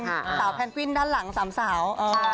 เส้นสาวแพนกวินด้านหลัง๓สาว